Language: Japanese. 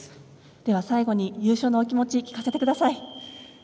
では、最後に優勝のお気持ち聞かせてください。